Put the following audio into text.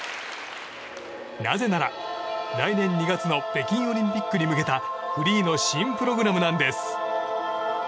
なぜなら来年２月の北京オリンピックに向けたフリーの新プログラムなんです。